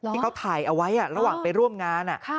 ที่เขาถ่ายเอาไว้อ่ะระหว่างไปร่วมงานอ่ะค่ะ